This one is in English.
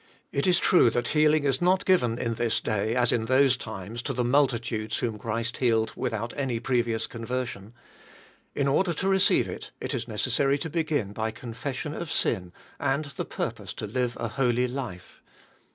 It is true that heal ing is not given in this day as in those times, to the multi tudes whom Christ healed without any previous conversion. In order to receive it it is necessary to begin by confession of sira. and the purpose to five a holy life.